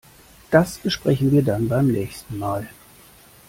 Das besprechen wir dann beim nächsten Mal.